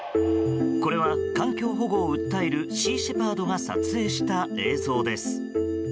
これは環境保護を訴えるシー・シェパードが撮影した映像です。